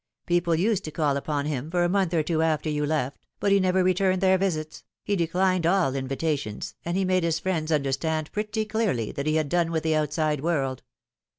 People used to call upon him for a month or two after you left, but he never returned their visits, he declined all invitations, and he made his friends understand pretty clearly that he had done with the outside world.